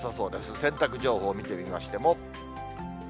洗濯情報見てみましても。